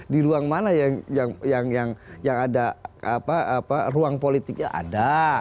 di ruang mana yang ada ruang politiknya ada